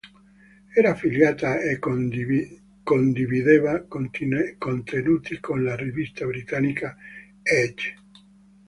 Era affiliata e condivideva contenuti con la rivista britannica "Edge".